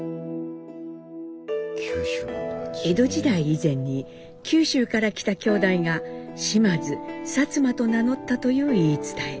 江戸時代以前に九州から来た兄弟が嶋津薩摩と名乗ったという言い伝え。